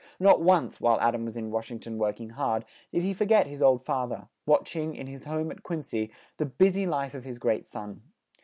Not once, while Ad ams was in Wash ing ton work ing hard, did he for get his old fa ther, watch ing, in his home at Quin cy, the bu sy life of his great son.